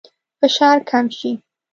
فشار کم شي.